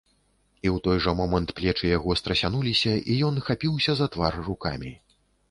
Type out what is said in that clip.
І ў той жа момант плечы яго страсянуліся, і ён хапіўся за твар рукамі.